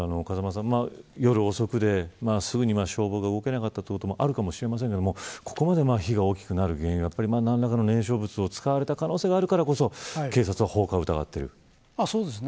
夜遅くで、すぐには消防が動けなかったこともあるかもしれませんがここまで火が大きくなる原因は何らかの燃焼物を使われた可能性があるからこそ警察は放火を疑っている。